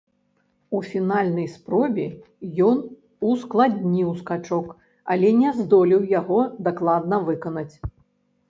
У фінальнай спробе ён ускладніў скачок, але не здолеў яго дакладна выканаць.